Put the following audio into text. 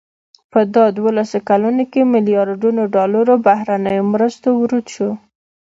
په دا دولسو کلونو کې ملیاردونو ډالرو بهرنیو مرستو ورود شو.